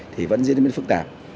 thì vẫn diễn biến phức tạp